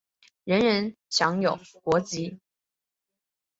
人人有权享有国籍。